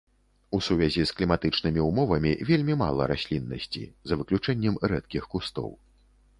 У сувязі з кліматычнымі ўмовамі вельмі мала расліннасці, за выключэннем рэдкіх кустоў.